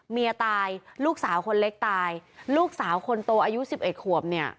เมียตายลูกสาวคนเล็กตายลูกสาวคนโตอายุสิบเอ็ดขวบเนี่ย